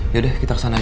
yaudah kita kesana aja